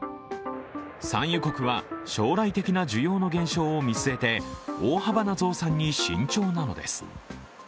産油国は将来的な需要の減少を見据えて、大幅な増産に慎重なのです。